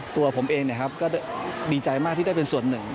ตัวผมเองก็ดีใจมากที่ได้เป็นส่วนหนึ่ง